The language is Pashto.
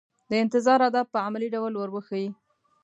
د انتظار آداب په عملي ډول ور وښيي.